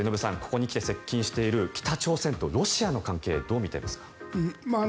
ここに来て接近している北朝鮮とロシアの関係どう見ていますか。